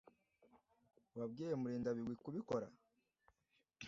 Wabwiye Murindabigwi kubikora?